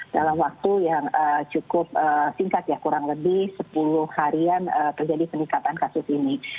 dalam waktu yang cukup singkat ya kurang lebih sepuluh harian terjadi peningkatan kasus ini